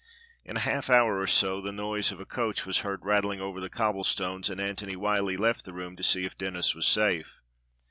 In half an hour or so the noise of a coach was heard rattling over the cobblestones, and Antony WTiyllie left the room to see if Denis was safe.